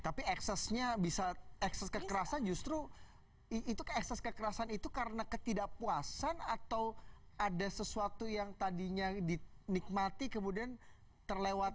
tapi eksesnya bisa ekses kekerasan justru itu ekses kekerasan itu karena ketidakpuasan atau ada sesuatu yang tadinya dinikmati kemudian terlewati